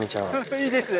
・いいですね・